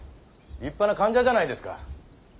立派な間者じゃないですか。